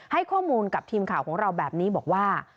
ให้ข้อมูลกับทีมข่าวของเราแบบนี้บอกว่า